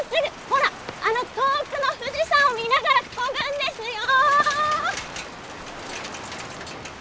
ほらあの遠くの富士山を見ながらこぐんですよ！